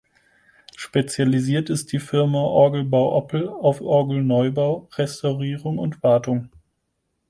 Spezialisiert ist die Firma Orgelbau Oppel auf Orgelneubau, Restaurierung und Wartung.